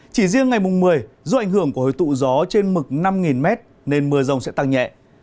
chỉ riêng ngày mùng một mươi do ảnh hưởng của hồi tụ gió trên mực năm m nên mưa rông sẽ tăng nhẹ